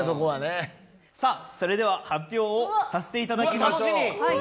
さぁそれでは発表をさせていただきます。